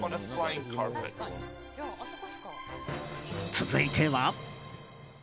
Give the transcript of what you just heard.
続いては。